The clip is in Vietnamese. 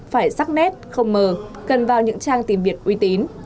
phải sắc nét không mờ cần vào những trang tìm biệt uy tín